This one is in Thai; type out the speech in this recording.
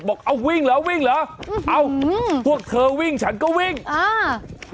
บอกเอาวิ่งเหรอวิ่งเหรอเอาอืมพวกเธอวิ่งฉันก็วิ่งอ่า